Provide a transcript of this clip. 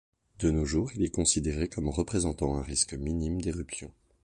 De nos jours, il est considéré comme représentant un risque minime d’éruption.